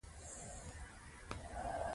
مور د خپلې کورنۍ د خوښۍ هیله لري.